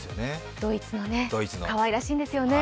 ドイツのね、かわいらしいんですよね。